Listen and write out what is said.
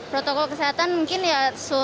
protokol kesehatan mungkin ya